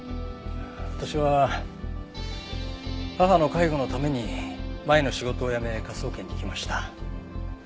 私は母の介護のために前の仕事を辞め科捜研に来ました。